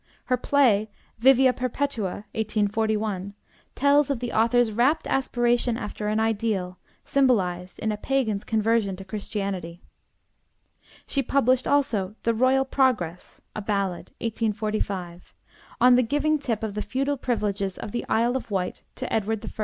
Her play, 'Vivia Perpetua' (1841), tells of the author's rapt aspiration after an ideal, symbolized in a pagan's conversion to Christianity. She published also 'The Royal Progress,' a ballad (1845), on the giving tip of the feudal privileges of the Isle of Wight to Edward I.